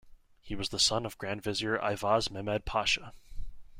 He was the son of Grand Vizier Ivaz Mehmed Pasha.